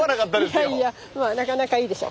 いやいやまあなかなかいいでしょ？